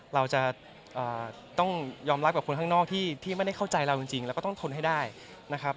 เราจะต้องยอมรับกับคนข้างนอกที่ไม่ได้เข้าใจเราจริงแล้วก็ต้องทนให้ได้นะครับ